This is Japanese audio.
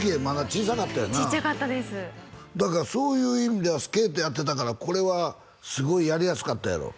ちっちゃかったですだからそういう意味ではスケートやってたからこれはすごいやりやすかったやろ？